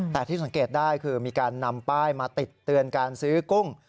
แต่ที่สังเกตได้คือมีการนำป้ายมาติดเตือนการซื้อกุ้ง